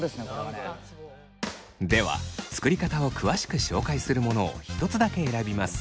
では作り方を詳しく紹介するものを１つだけ選びます。